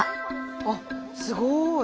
あっすごい！